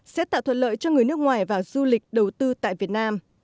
sẽ tạo thuận lợi cho người nước ngoài vào du lịch đầu tư tại việt nam